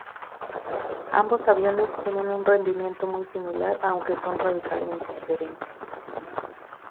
Ambos aviones tienen un rendimiento muy similar aunque son radicalmente diferentes.